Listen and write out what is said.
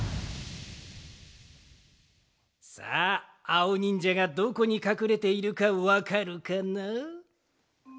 さああおにんじゃがどこにかくれているかわかるかな？